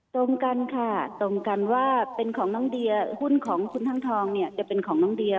ตรงกันค่ะตรงกันว่าเป็นของน้องเดียหุ้นของคุณทั้งทองเนี่ยจะเป็นของน้องเดีย